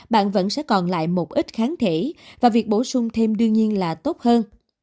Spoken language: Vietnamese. bạn vẫn sẽ còn lại một ít kháng thể và việc bổ sung thêm đương nhiên là tốt hơn